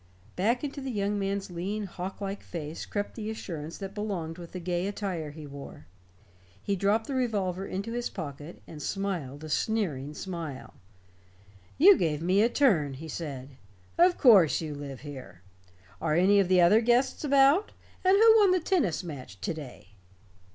Back into the young man's lean hawk like face crept the assurance that belonged with the gay attire he wore. He dropped the revolver into his pocket, and smiled a sneering smile. "You gave me a turn," he said. "Of course you live here. Are any of the other guests about? And who won the tennis match to day?"